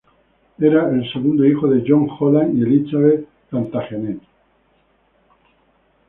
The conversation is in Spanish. Era el segundo hijo de John Holland y Elizabeth Plantagenet.